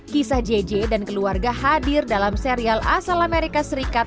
kisah jj dan keluarga hadir dalam serial asal amerika serikat